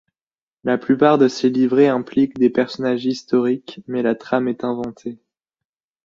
La plupart de ses livrets impliquent des personnages historiques, mais la trame est inventée.